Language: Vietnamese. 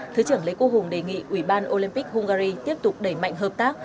thứ trưởng lê quốc hùng đề nghị ủy ban olympic hungary tiếp tục đẩy mạnh hợp tác